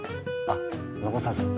あ残さず。